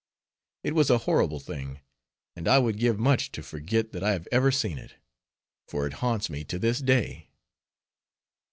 It was a horrible thing; and I would give much to forget that I have ever seen it; for it haunts me to this day.